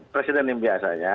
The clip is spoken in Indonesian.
presiden yang biasanya